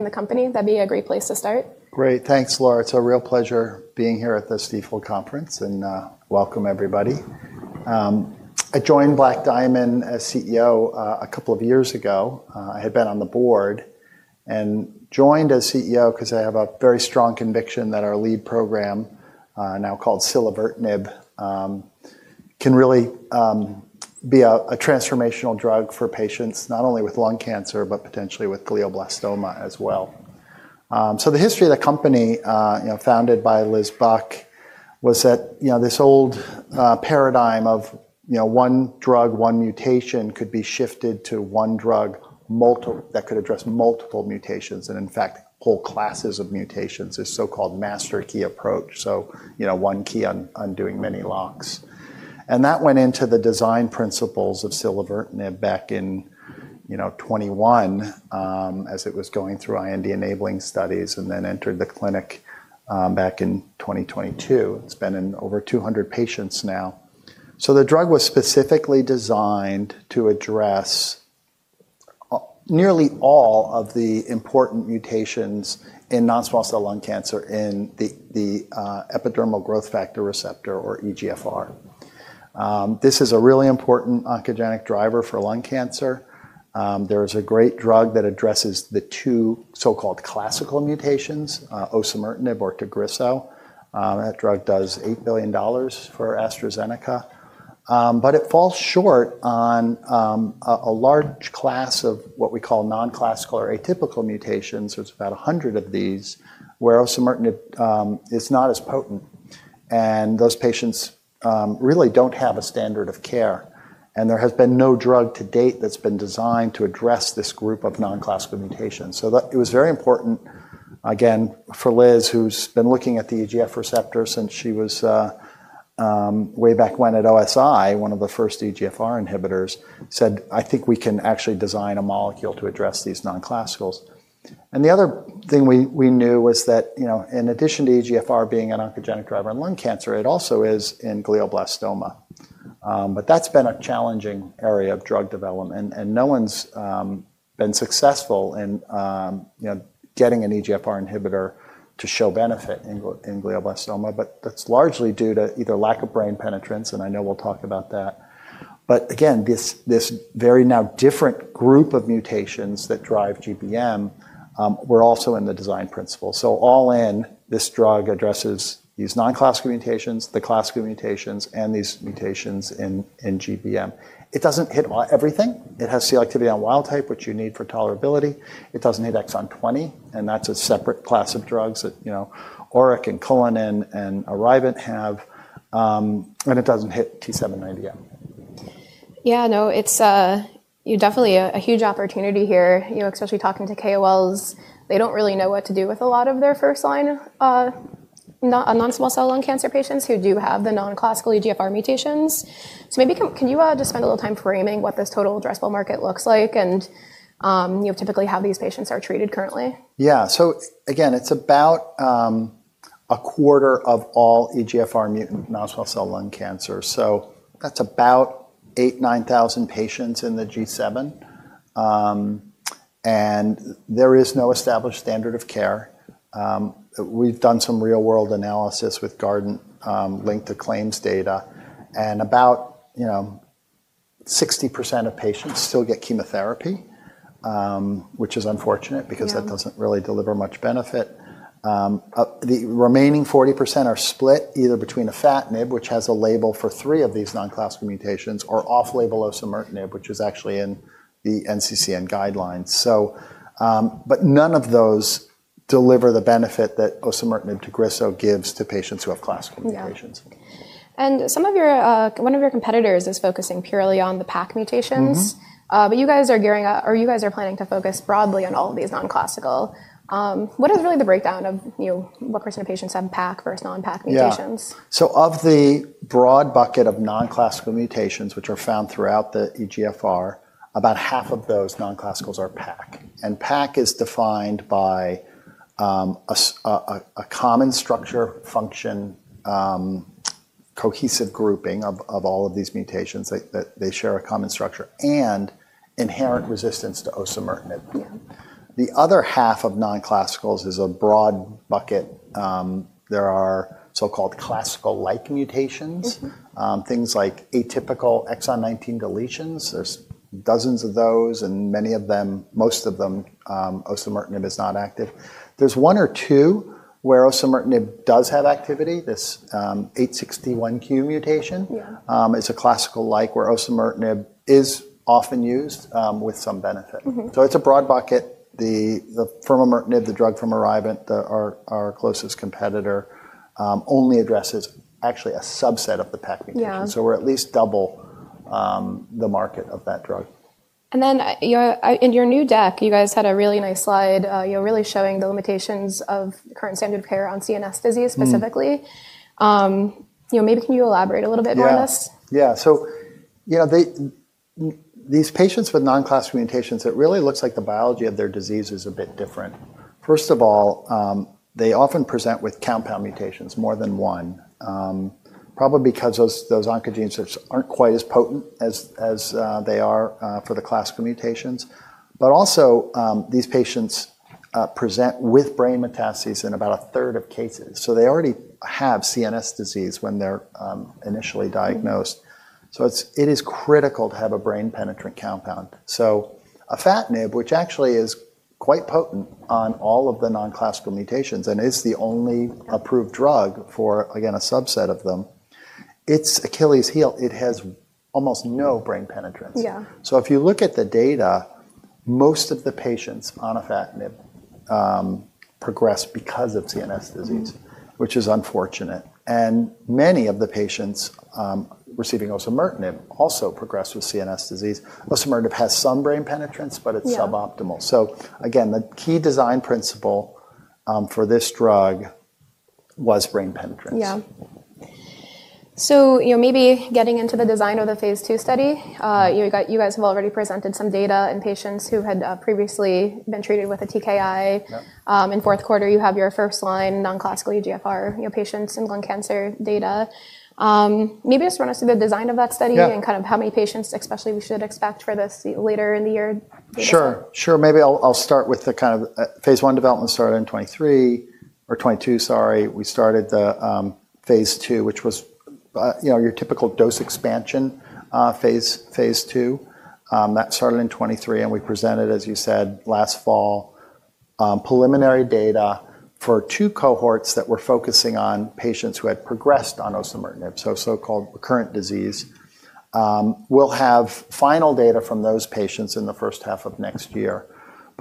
The company, that'd be a great place to start. Great. Thanks, Laura. It's a real pleasure being here at this Deaf World Conference, and welcome everybody. I joined Black Diamond Therapeutics as CEO a couple of years ago. I had been on the board and joined as CEO because I have a very strong conviction that our lead program, now called Silevertinib, can really be a transformational drug for patients, not only with lung cancer, but potentially with glioblastoma as well. The history of the company, founded by Liz Buck, was that this old paradigm of one drug, one mutation could be shifted to one drug that could address multiple mutations, and in fact, whole classes of mutations, this so-called master key approach. One key undoing many locks. That went into the design principles of Silevertinib back in 2021, as it was going through IND enabling studies, and then entered the clinic back in 2022. It has been in over 200 patients now. The drug was specifically designed to address nearly all of the important mutations in non-small cell lung cancer in the epidermal growth factor receptor, or EGFR. This is a really important oncogenic driver for lung cancer. There is a great drug that addresses the two so-called classical mutations, Osimertinib or Tagrisso. That drug does $8 billion for AstraZeneca. It falls short on a large class of what we call non-classical or atypical mutations. There are about 100 of these, where Osimertinib is not as potent. Those patients really do not have a standard of care. There has been no drug to date that has been designed to address this group of non-classical mutations. It was very important, again, for Liz, who's been looking at the EGFR receptor since she was way back when at OSI, one of the first EGFR inhibitors, said, "I think we can actually design a molecule to address these non-classicals." The other thing we knew was that, in addition to EGFR being an oncogenic driver in lung cancer, it also is in glioblastoma. That has been a challenging area of drug development. No one's been successful in getting an EGFR inhibitor to show benefit in glioblastoma. That is largely due to either lack of brain penetrance, and I know we'll talk about that. Again, this very now different group of mutations that drive GBM were also in the design principle. All in, this drug addresses these non-classical mutations, the classical mutations, and these mutations in GBM. It doesn't hit everything. It has selectivity on wild type, which you need for tolerability. It doesn't hit exon 20, and that's a separate class of drugs that ORIC and ArriVent have. It doesn't hit T790M. Yeah, no, it's definitely a huge opportunity here, especially talking to KOLs. They don't really know what to do with a lot of their first-line non-small cell lung cancer patients who do have the non-classical EGFR mutations. Maybe can you just spend a little time framing what this total addressable market looks like, and typically how these patients are treated currently? Yeah. Again, it's about a quarter of all EGFR-mutant non-small cell lung cancer. That's about 8,000-9,000 patients in the G7. There is no established standard of care. We've done some real-world analysis with Guardant linked to claims data. About 60% of patients still get chemotherapy, which is unfortunate because that doesn't really deliver much benefit. The remaining 40% are split either between afatinib, which has a label for three of these non-classical mutations, or off-label Osimertinib, which is actually in the NCCN guidelines. None of those deliver the benefit that Osimertinib Tagrisso gives to patients who have classical mutations. Yeah. One of your competitors is focusing purely on the PACC mutations. You guys are gearing up, or you guys are planning to focus broadly on all of these non-classical. What is really the breakdown of what % of patients have PACC versus non-PACC mutations? Yeah. Of the broad bucket of non-classical mutations, which are found throughout the EGFR, about half of those non-classicals are PACC. PACC is defined by a common structure-function cohesive grouping of all of these mutations. They share a common structure and inherent resistance to Osimertinib. The other half of non-classicals is a broad bucket. There are so-called classical-like mutations, things like atypical exon 19 deletions. There are dozens of those, and many of them, most of them, Osimertinib is not active. There is one or two where Osimertinib does have activity. This 861Q mutation is a classical-like where Osimertinib is often used with some benefit. It is a broad bucket. The Firmamertinib, the drug from ArriVent, our closest competitor, only addresses actually a subset of the PACC mutation. We are at least double the market of that drug. In your new deck, you guys had a really nice slide really showing the limitations of current standard of care on CNS disease specifically. Maybe can you elaborate a little bit more on this? Yeah. Yeah. These patients with non-classical mutations, it really looks like the biology of their disease is a bit different. First of all, they often present with compound mutations, more than one, probably because those oncogenes are not quite as potent as they are for the classical mutations. Also, these patients present with brain metastases in about a third of cases. They already have CNS disease when they are initially diagnosed. It is critical to have a brain penetrant compound. Afatinib, which actually is quite potent on all of the non-classical mutations and is the only approved drug for, again, a subset of them, its Achilles' heel is it has almost no brain penetrance. If you look at the data, most of the patients on afatinib progress because of CNS disease, which is unfortunate. Many of the patients receiving Osimertinib also progress with CNS disease. Osimertinib has some brain penetrance, but it's suboptimal. The key design principle for this drug was brain penetrance. Yeah. So maybe getting into the design of the phase II study, you guys have already presented some data in patients who had previously been treated with a TKI. In fourth quarter, you have your first-line non-classical EGFR patients in lung cancer data. Maybe just run us through the design of that study and kind of how many patients especially we should expect for this later in the year. Sure. Maybe I'll start with the kind of phase I development started in 2023 or 2022, sorry. We started the phase II, which was your typical dose expansion phase, phase II. That started in 2023, and we presented, as you said, last fall preliminary data for two cohorts that were focusing on patients who had progressed on Osimertinib, so so-called recurrent disease. We'll have final data from those patients in the first half of next year.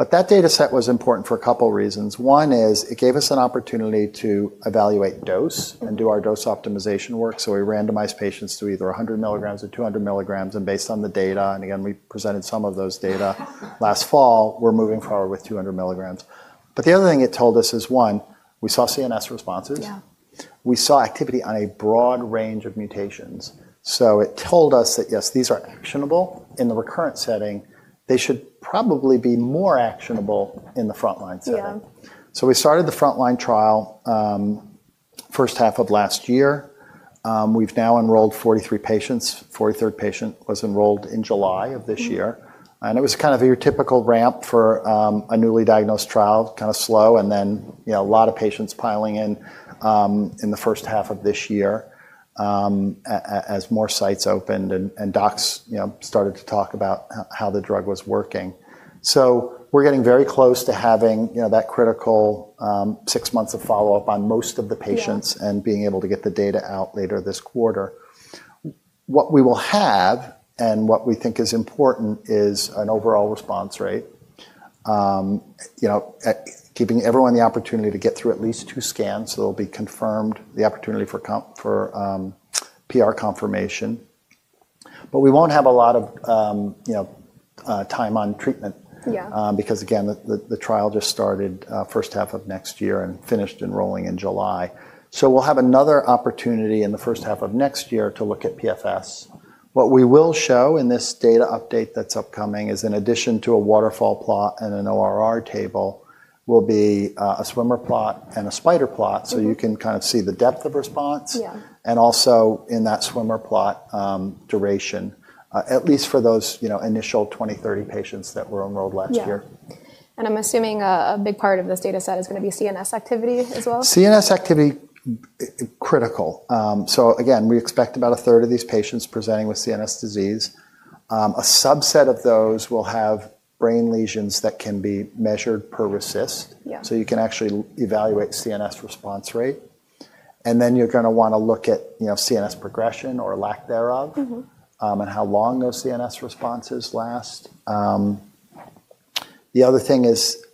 That data set was important for a couple of reasons. One is it gave us an opportunity to evaluate dose and do our dose optimization work. We randomized patients to either 100 milligrams or 200 milligrams. Based on the data, and again, we presented some of those data last fall, we're moving forward with 200 milligrams. The other thing it told us is, one, we saw CNS responses. We saw activity on a broad range of mutations. It told us that, yes, these are actionable in the recurrent setting. They should probably be more actionable in the frontline setting. We started the frontline trial first half of last year. We have now enrolled 43 patients. The 43rd patient was enrolled in July of this year. It was kind of a typical ramp for a newly diagnosed trial, kind of slow, and then a lot of patients piling in in the first half of this year as more sites opened and docs started to talk about how the drug was working. We are getting very close to having that critical six months of follow-up on most of the patients and being able to get the data out later this quarter. What we will have and what we think is important is an overall response rate, keeping everyone the opportunity to get through at least two scans so they'll be confirmed, the opportunity for PR confirmation. We won't have a lot of time on treatment because, again, the trial just started first half of next year and finished enrolling in July. We will have another opportunity in the first half of next year to look at PFS. What we will show in this data update that's upcoming is, in addition to a waterfall plot and an ORR table, a swimmer plot and a spider plot so you can kind of see the depth of response. Also in that swimmer plot, duration, at least for those initial 20-30 patients that were enrolled last year. Yeah. I'm assuming a big part of this data set is going to be CNS activity as well? CNS activity, critical. Again, we expect about a third of these patients presenting with CNS disease. A subset of those will have brain lesions that can be measured per RECIST. You can actually evaluate CNS response rate. You are going to want to look at CNS progression or lack thereof and how long those CNS responses last. The other thing is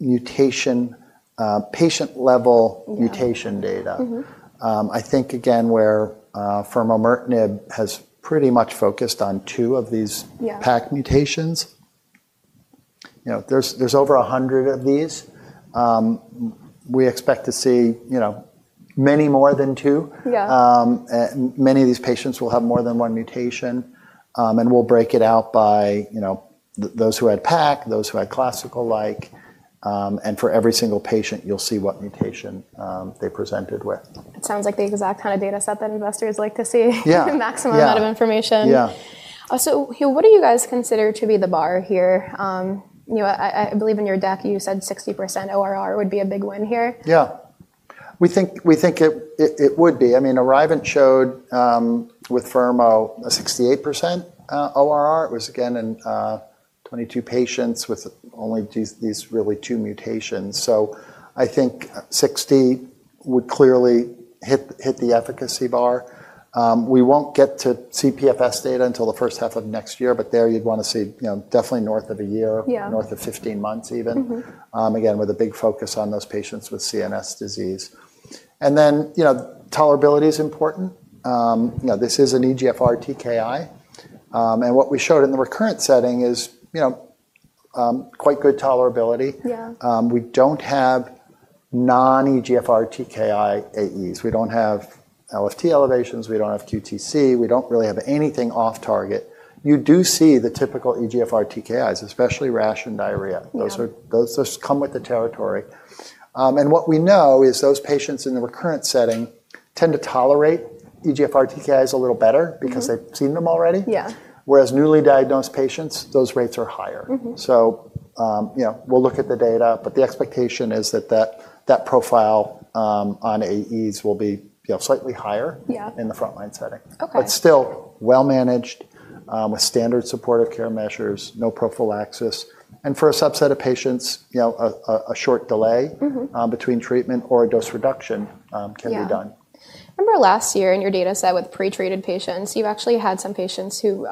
mutation, patient-level mutation data. I think, again, where Firmamertinib has pretty much focused on two of these PACC mutations. There are over 100 of these. We expect to see many more than two. Many of these patients will have more than one mutation. We will break it out by those who had PACC, those who had classical-like. For every single patient, you will see what mutation they presented with. It sounds like the exact kind of data set that investors like to see, maximum amount of information. Yeah. What do you guys consider to be the bar here? I believe in your deck, you said 60% ORR would be a big win here. Yeah. We think it would be. I mean, ArriVent showed with Firmamertinib, a 68% ORR. It was, again, in 22 patients with only these really two mutations. I think 60 would clearly hit the efficacy bar. We will not get to CPFS data until the first half of next year, but there you would want to see definitely north of a year, north of 15 months even, again, with a big focus on those patients with CNS disease. Tolerability is important. This is an EGFR TKI. What we showed in the recurrent setting is quite good tolerability. We do not have non-EGFR TKI AEs. We do not have LFT elevations. We do not have QTC. We do not really have anything off target. You do see the typical EGFR TKIs, especially rash and diarrhea. Those come with the territory. What we know is those patients in the recurrent setting tend to tolerate EGFR TKIs a little better because they've seen them already. Whereas newly diagnosed patients, those rates are higher. We will look at the data, but the expectation is that that profile on AEs will be slightly higher in the frontline setting. Still, well-managed with standard supportive care measures, no prophylaxis. For a subset of patients, a short delay between treatment or a dose reduction can be done. Remember last year in your data set with pretreated patients, you actually had some patients whose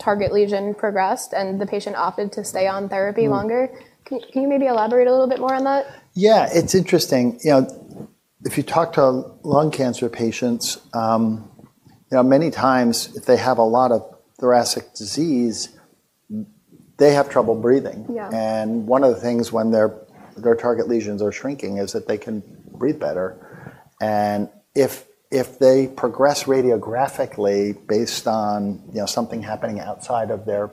target lesion progressed and the patient opted to stay on therapy longer. Can you maybe elaborate a little bit more on that? Yeah, it's interesting. If you talk to lung cancer patients, many times if they have a lot of thoracic disease, they have trouble breathing. One of the things when their target lesions are shrinking is that they can breathe better. If they progress radiographically based on something happening outside of their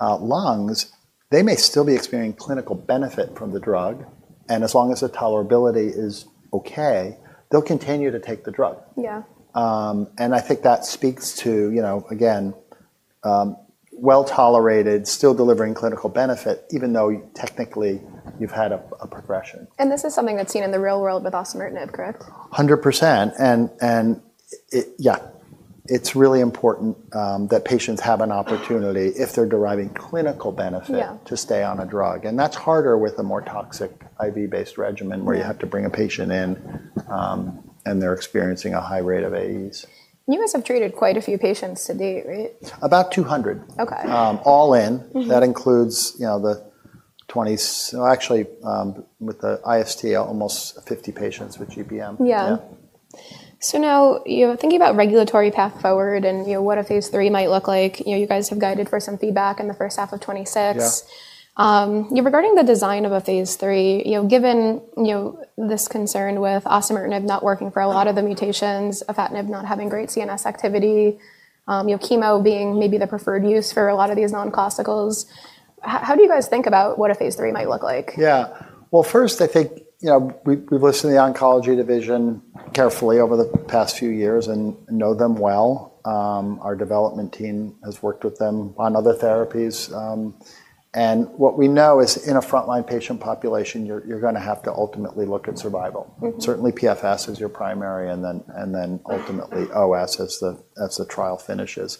lungs, they may still be experiencing clinical benefit from the drug. As long as the tolerability is okay, they'll continue to take the drug. Yeah. I think that speaks to, again, well-tolerated, still delivering clinical benefit, even though technically you've had a progression. This is something that's seen in the real world with Osimertinib, correct? 100%. Yeah, it's really important that patients have an opportunity if they're deriving clinical benefit to stay on a drug. That's harder with a more toxic IV-based regimen where you have to bring a patient in and they're experiencing a high rate of AEs. You guys have treated quite a few patients to date, right? About 200. All in. That includes the 20, actually with the IST, almost 50 patients with GBM. Yeah. So now thinking about regulatory path forward and what a phase III might look like, you guys have guided for some feedback in the first half of 2026. Regarding the design of a phase III, given this concern with Osimertinib not working for a lot of the mutations, afatinib not having great CNS activity, chemo being maybe the preferred use for a lot of these non-classicals, how do you guys think about what a phase III might look like? Yeah. First, I think we've listened to the oncology division carefully over the past few years and know them well. Our development team has worked with them on other therapies. What we know is in a frontline patient population, you're going to have to ultimately look at survival. Certainly, PFS is your primary and then ultimately OS as the trial finishes.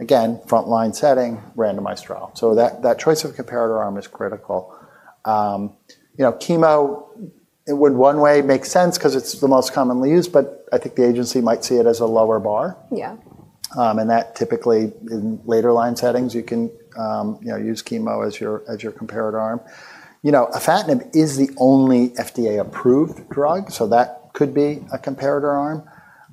Again, frontline setting, randomized trial. That choice of comparator arm is critical. Chemo, in one way, makes sense because it's the most commonly used, but I think the agency might see it as a lower bar. Typically in later line settings, you can use chemo as your comparator arm. Afatinib is the only FDA-approved drug, so that could be a comparator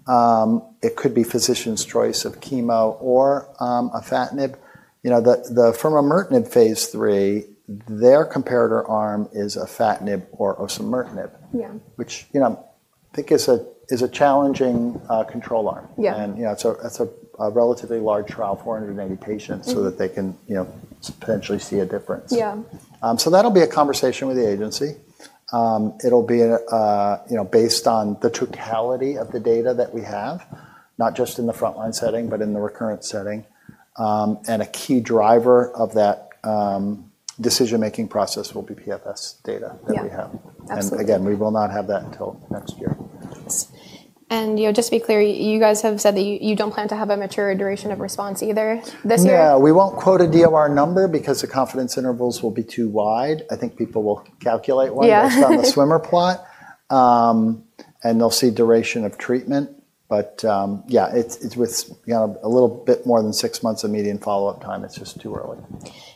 arm. It could be physician's choice of chemo or afatinib. The Firmamertinib phase III, their comparator arm is afatinib or Osimertinib, which I think is a challenging control arm. It is a relatively large trial, 480 patients so that they can potentially see a difference. That will be a conversation with the agency. It will be based on the totality of the data that we have, not just in the frontline setting, but in the recurrent setting. A key driver of that decision-making process will be PFS data that we have. Again, we will not have that until next year. Just to be clear, you guys have said that you don't plan to have a mature duration of response either this year? Yeah. We won't quote a DOR number because the confidence intervals will be too wide. I think people will calculate one based on the swimmer plot and they'll see duration of treatment. Yeah, it's with a little bit more than six months of median follow-up time. It's just too early.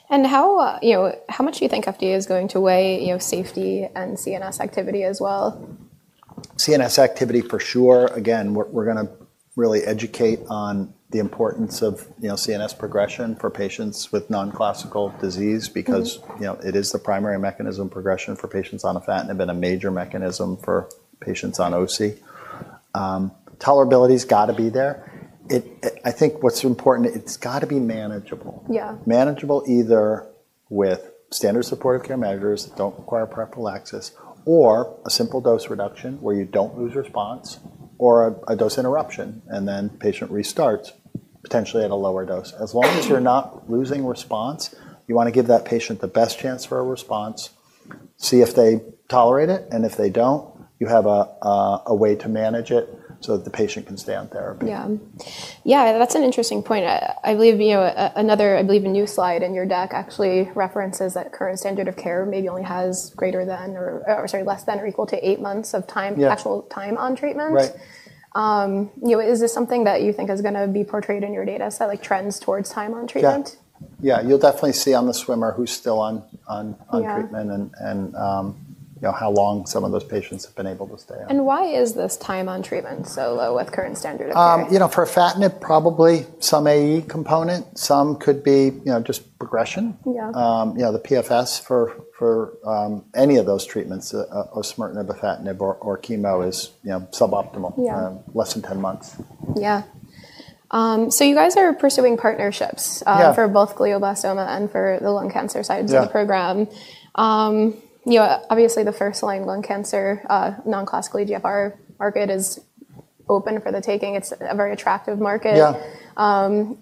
How much do you think FDA is going to weigh safety and CNS activity as well? CNS activity for sure. Again, we're going to really educate on the importance of CNS progression for patients with non-classical disease because it is the primary mechanism of progression for patients on afatinib and a major mechanism for patients on OC. Tolerability has got to be there. I think what's important, it's got to be manageable. Manageable either with standard supportive care measures that do not require prophylaxis or a simple dose reduction where you do not lose response or a dose interruption and then patient restarts potentially at a lower dose. As long as you are not losing response, you want to give that patient the best chance for a response, see if they tolerate it. If they do not, you have a way to manage it so that the patient can stay on therapy. Yeah. Yeah, that's an interesting point. I believe another, I believe a new slide in your deck actually references that current standard of care maybe only has less than or equal to eight months of actual time on treatment. Is this something that you think is going to be portrayed in your data set, like trends towards time on treatment? Yeah. Yeah, you'll definitely see on the swimmer who's still on treatment and how long some of those patients have been able to stay on. Why is this time on treatment so low with current standard of care? For afatinib, probably some AE component. Some could be just progression. Yeah, the PFS for any of those treatments, Osimertinib, afatinib, or chemo is suboptimal, less than 10 months. Yeah. So you guys are pursuing partnerships for both glioblastoma and for the lung cancer side of the program. Obviously, the first-line lung cancer, non-classical EGFR market is open for the taking. It's a very attractive market. When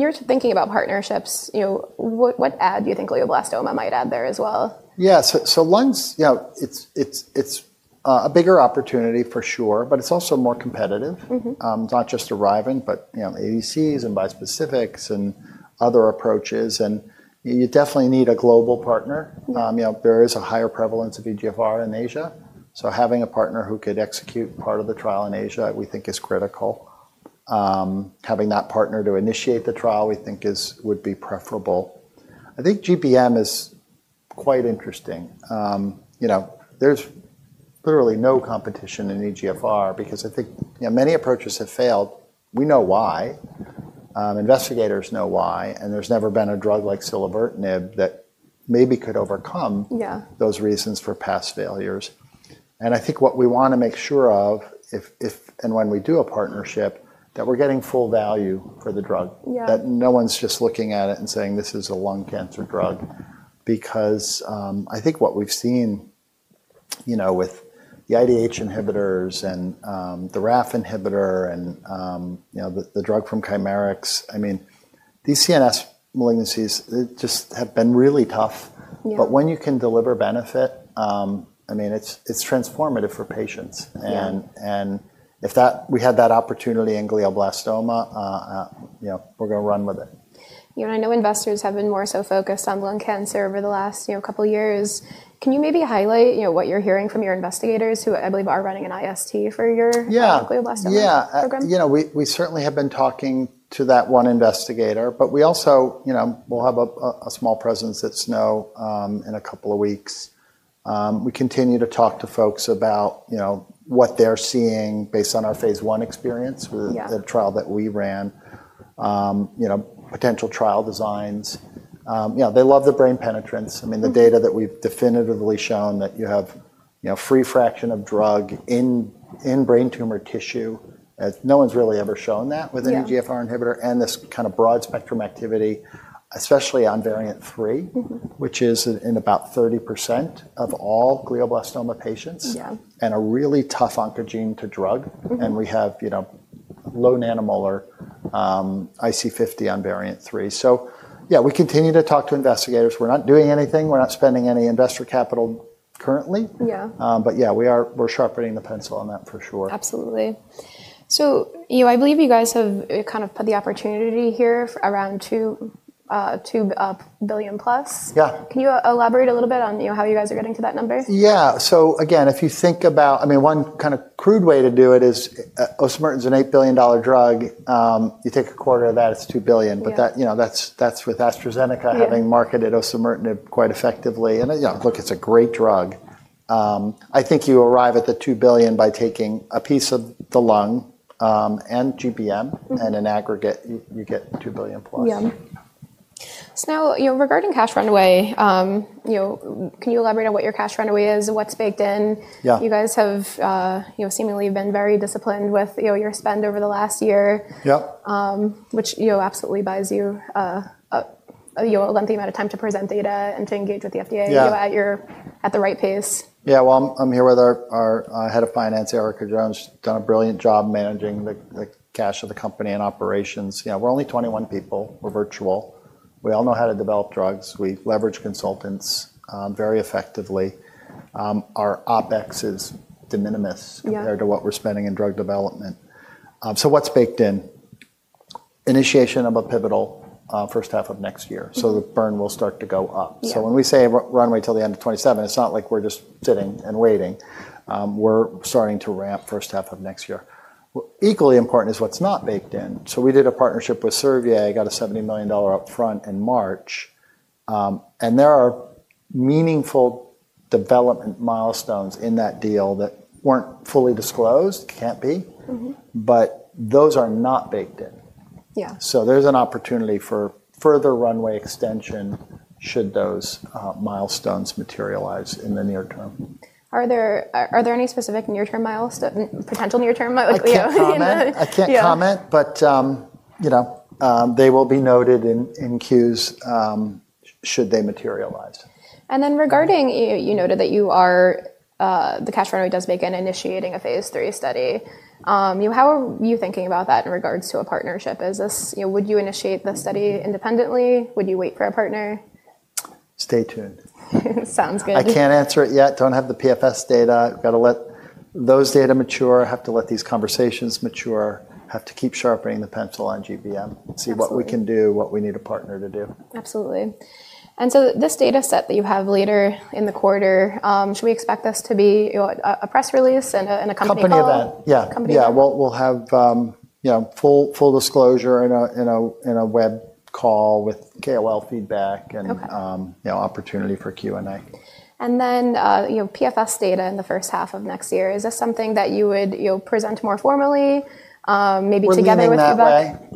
you're thinking about partnerships, what add do you think glioblastoma might add there as well? Yeah. Lungs, it's a bigger opportunity for sure, but it's also more competitive. It's not just ArriVent, but ADCs and bispecifics and other approaches. You definitely need a global partner. There is a higher prevalence of EGFR in Asia. Having a partner who could execute part of the trial in Asia, we think is critical. Having that partner to initiate the trial, we think would be preferable. I think GBM is quite interesting. There's literally no competition in EGFR because I think many approaches have failed. We know why. Investigators know why. There's never been a drug like Silevertinib that maybe could overcome those reasons for past failures. I think what we want to make sure of, if and when we do a partnership, is that we're getting full value for the drug, that no one's just looking at it and saying, "This is a lung cancer drug." I think what we've seen with the IDH inhibitors and the RAF inhibitor and the drug from Chimerix, I mean, these CNS malignancies, they just have been really tough. When you can deliver benefit, I mean, it's transformative for patients. If we had that opportunity in glioblastoma, we're going to run with it. I know investors have been more so focused on lung cancer over the last couple of years. Can you maybe highlight what you're hearing from your investigators who I believe are running an IST for your glioblastoma program? Yeah. We certainly have been talking to that one investigator, but we also will have a small presence at SNO in a couple of weeks. We continue to talk to folks about what they're seeing based on our phase experience with the trial that we ran, potential trial designs. They love the brain penetrance. I mean, the data that we've definitively shown that you have free fraction of drug in brain tumor tissue. No one's really ever shown that with an EGFR inhibitor and this kind of broad spectrum activity, especially on variant three, which is in about 30% of all glioblastoma patients and a really tough oncogene to drug. And we have low nanomolar IC50 on variant three. So yeah, we continue to talk to investigators. We're not doing anything. We're not spending any investor capital currently. Yeah, we're sharpening the pencil on that for sure. Absolutely. I believe you guys have kind of put the opportunity here around $2 billion plus. Can you elaborate a little bit on how you guys are getting to that number? Yeah. So again, if you think about, I mean, one kind of crude way to do it is Osimertinib's an $8 billion drug. You take a quarter of that, it's $2 billion. But that's with AstraZeneca having marketed Osimertinib quite effectively. And look, it's a great drug. I think you arrive at the $2 billion by taking a piece of the lung and GBM and in aggregate, you get $2 billion plus. Yeah. So now regarding cash runway, can you elaborate on what your cash runway is and what's baked in? You guys have seemingly been very disciplined with your spend over the last year, which absolutely buys you a lengthy amount of time to present data and to engage with the FDA at the right pace. Yeah. I'm here with our Head of Finance, Ericka Jones. She's done a brilliant job managing the cash of the company and operations. We're only 21 people. We're virtual. We all know how to develop drugs. We leverage consultants very effectively. Our OpEx is de minimis compared to what we're spending in drug development. What's baked in? Initiation of a pivotal first half of next year. The burn will start to go up. When we say runway till the end of 2027, it's not like we're just sitting and waiting. We're starting to ramp first half of next year. Equally important is what's not baked in. We did a partnership with Servier. I got a $70 million upfront in March. There are meaningful development milestones in that deal that weren't fully disclosed. Can't be. Those are not baked in. There's an opportunity for further runway extension should those milestones materialize in the near term. Are there any specific near-term milestones, potential near-term milestones? I can't comment, but they will be noted in queues should they materialize. Regarding, you noted that the cash runway does make in initiating a phase III study. How are you thinking about that in regards to a partnership? Would you initiate the study independently? Would you wait for a partner? Stay tuned. Sounds good. I can't answer it yet. Don't have the PFS data. I've got to let those data mature. I have to let these conversations mature. I have to keep sharpening the pencil on GBM. See what we can do, what we need a partner to do. Absolutely. And so this data set that you have later in the quarter, should we expect this to be a press release and a company event? Company event. Yeah. Yeah. We'll have full disclosure in a web call with KOL feedback and opportunity for Q&A. PFS data in the first half of next year. Is this something that you would present more formally, maybe together with?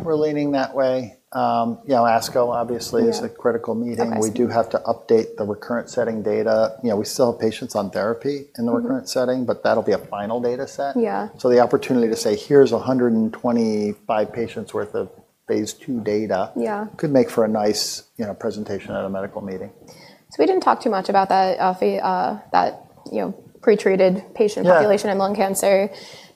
We're leaning that way. ASCO, obviously, is a critical meeting. We do have to update the recurrent setting data. We still have patients on therapy in the recurrent setting, but that'll be a final data set. The opportunity to say, "Here's 125 patients' worth of phase II data," could make for a nice presentation at a medical meeting. We did not talk too much about that pretreated patient population in lung cancer.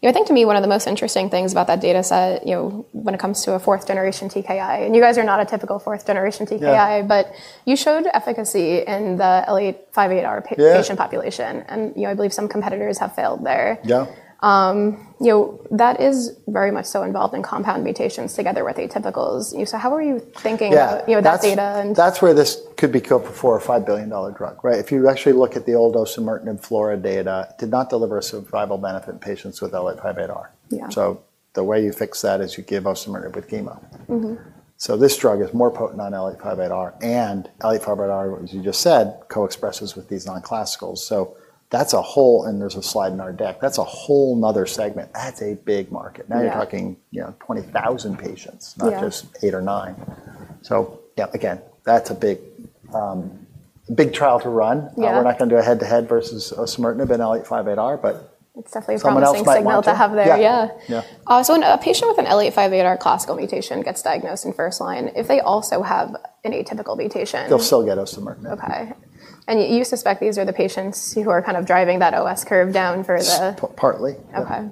I think to me, one of the most interesting things about that data set when it comes to a fourth-generation TKI, and you guys are not a typical fourth-generation TKI, but you showed efficacy in the L858R patient population. I believe some competitors have failed there. That is very much so involved in compound mutations together with atypicals. How are you thinking about that data? That's where this could be coupled for a $5 billion drug, right? If you actually look at the old Osimertinib, Flora data, it did not deliver a survival benefit in patients with L858R. The way you fix that is you give Osimertinib with chemo. This drug is more potent on L858R. And L858R, as you just said, co-expresses with these non-classicals. That's a whole, and there's a slide in our deck. That's a whole nother segment. That's a big market. Now you're talking 20,000 patients, not just eight or nine. Yeah, again, that's a big trial to run. We're not going to do a head-to-head versus Osimertinib and L858R, but. It's definitely a strong signal to have there. Yeah. So when a patient with an L858R classical mutation gets diagnosed in first line, if they also have an atypical mutation. They'll still get Osimertinib. Okay. You suspect these are the patients who are kind of driving that OS curve down for the. Partly. Okay.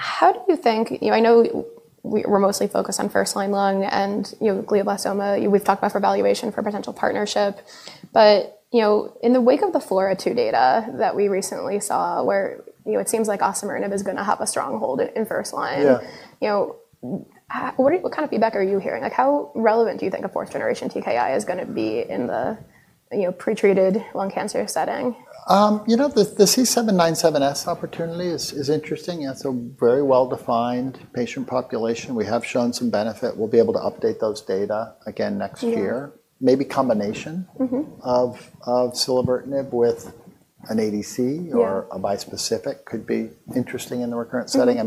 How do you think, I know we're mostly focused on first-line lung and glioblastoma. We've talked about evaluation for potential partnership. In the wake of the Flora 2 data that we recently saw, where it seems like Osimertinib is going to have a strong hold in first line, what kind of feedback are you hearing? How relevant do you think a fourth-generation TKI is going to be in the pretreated lung cancer setting? You know, the C797S opportunity is interesting. It's a very well-defined patient population. We have shown some benefit. We'll be able to update those data again next year. Maybe combination of Silevertinib with an ADC or a bispecific could be interesting in the recurrent setting. I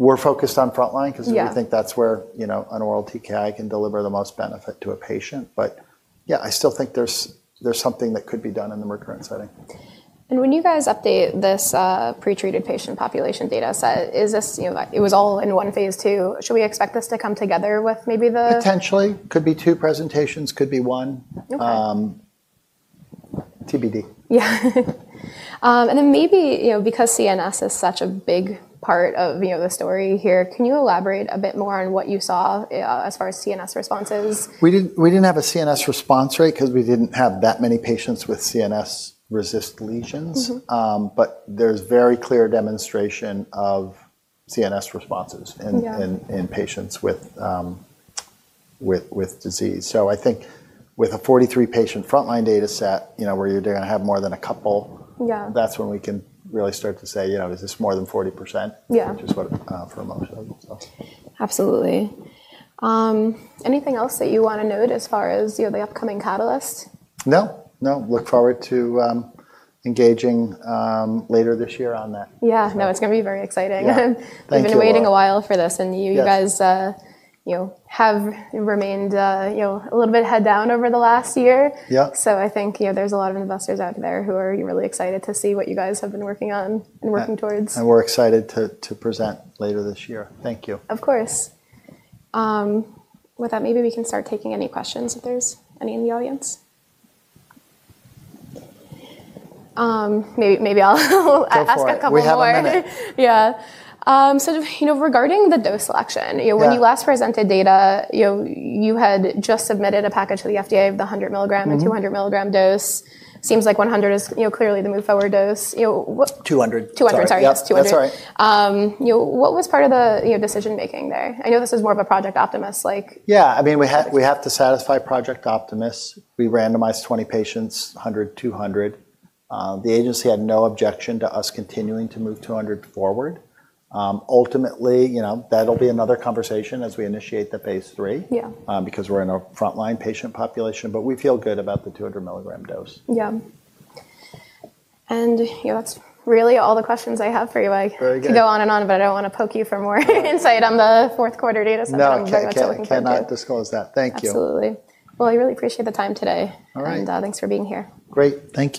mean, we're focused on frontline because we think that's where an oral TKI can deliver the most benefit to a patient. Yeah, I still think there's something that could be done in the recurrent setting. When you guys update this pretreated patient population data set, it was all in one phase II. Should we expect this to come together with maybe the. Potentially. Could be two presentations. Could be one. TBD. Yeah. And then maybe because CNS is such a big part of the story here, can you elaborate a bit more on what you saw as far as CNS responses? We did not have a CNS response rate because we did not have that many patients with CNS-resistant lesions. There is very clear demonstration of CNS responses in patients with disease. I think with a 43-patient frontline data set where you are going to have more than a couple, that is when we can really start to say, "Is this more than 40%?" which is what I am familiar with. Absolutely. Anything else that you want to note as far as the upcoming catalyst? No. No. Look forward to engaging later this year on that. Yeah. No, it's going to be very exciting. I've been waiting a while for this. You guys have remained a little bit head down over the last year. I think there's a lot of investors out there who are really excited to see what you guys have been working on and working towards. We're excited to present later this year. Thank you. Of course. With that, maybe we can start taking any questions if there is any in the audience. Maybe I'll ask a couple more. Yeah. Regarding the dose selection, when you last presented data, you had just submitted a package to the FDA of the 100 milligram and 200 milligram dose. Seems like 100 is clearly the move-forward dose. 200. 200, sorry. That's right. What was part of the decision-making there? I know this is more of a project optimist. Yeah. I mean, we have to satisfy project optimists. We randomized 20 patients, 100, 200. The agency had no objection to us continuing to move 200 forward. Ultimately, that'll be another conversation as we initiate the phase III because we're in a frontline patient population. We feel good about the 200 milligram dose. Yeah. That is really all the questions I have for you. I could go on and on, but I do not want to poke you for more insight on the fourth quarter data set. No, I cannot disclose that. Thank you. Absolutely. I really appreciate the time today. Thanks for being here. Great. Thank you.